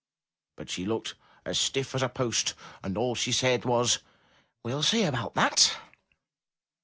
But she looked as stiff as a post and all she said was, *'] will see about that."